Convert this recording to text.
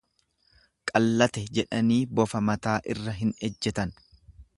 Qallate jedhanii bofa mataa irra hin ejjetan.